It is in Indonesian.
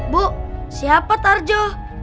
bu siapa tarjo